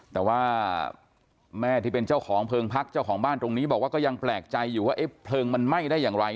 แต่ว่าแม่ที่เป็นเจ้าของเพลิงพักเจ้าของบ้านตรงนี้บอกว่าก็ยังแปลกใจอยู่ว่าเพลิงมันไหม้ได้อย่างไร